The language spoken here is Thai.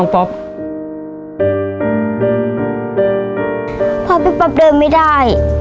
ป๊อบไปป๊อบเดิมไม่ได้